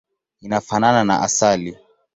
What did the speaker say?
Inafanana na asali.